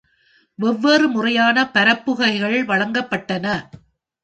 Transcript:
வெவ்வேறு முறையான பரப்புகைகள் வழங்கப்பட்டன.